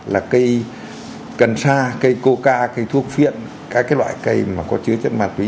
là cây cần xa cây coca cây thuốc phiện các loại cây mà có chứa chất ma túy